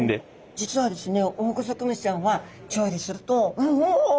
実はですね